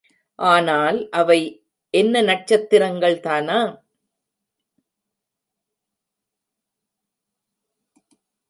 ஆனால், அவை என்ன நட்சத்திரங்கள் தானா?